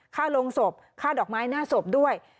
ค่าลงศพค่าดอกไม้หน้าศพด้วย